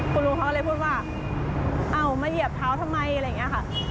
คุณลุงเขาก็เลยพูดว่าเอามาเหยียบเท้าทำไมอะไรอย่างนี้ค่ะ